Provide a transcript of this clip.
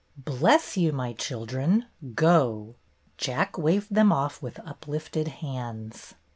"Bless you, my children! Go!" Jack waved them off with uplifted hands.